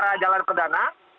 ke arah jalan perdana